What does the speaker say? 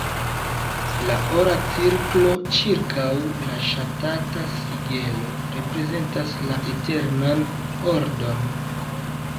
La ora cirklo ĉirkaŭ la ŝatata sigelo reprezentas la eternan ordon.